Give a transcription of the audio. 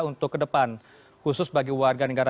untuk ke depan khusus bagi warga negara